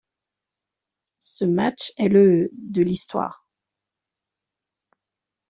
Ce match est le de l’histoire.